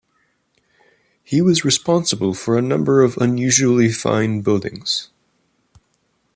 He was responsible for a number of unusually fine buildings.